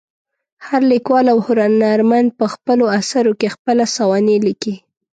هر لیکوال او هنرمند په خپلو اثرو کې خپله سوانح لیکي.